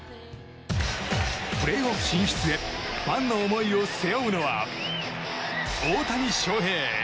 プレーオフ進出へファンの思いを背負うのは大谷翔平。